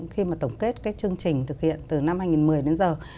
khi mà tổng kết cái chương trình thực hiện từ năm hai nghìn một mươi đến giờ